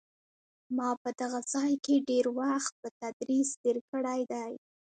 ما په دغه ځای کې ډېر وخت په تدریس تېر کړی دی.